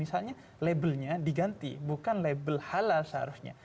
misalnya labelnya diganti bukan label halal seharusnya